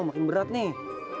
makin berat nih